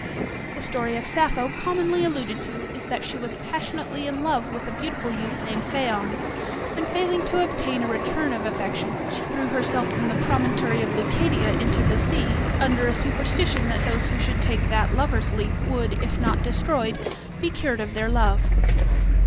The story of Sappho commonly alluded to is that she was passionately in love with a beautiful youth named Phaon, and failing to obtain a return of affection she threw herself from the promontory of Leucadia into the sea, under a superstition that those who should take that "Lover's leap" would, if not destroyed, be cured of their love.